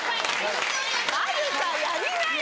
かるたやりなよ！